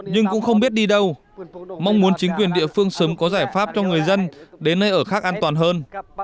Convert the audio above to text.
nhưng cũng không biết đi đâu mong muốn chính quyền địa phương sớm có giải pháp cho người dân đến nơi ở khác an toàn hơn